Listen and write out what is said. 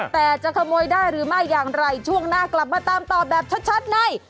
แต่จะขโมยได้หรือไม่อย่างไรช่วงหน้ากลับมาตามต่อแบบชัดใน